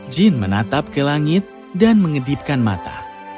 jin menatap ke langit dan mengedipkan mata